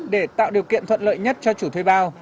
để tạo điều kiện thuận lợi nhất cho chủ thuê bao